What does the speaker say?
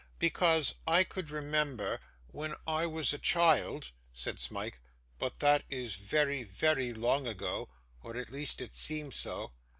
'Because I could remember, when I was a child,' said Smike, 'but that is very, very long ago, or at least it seems so.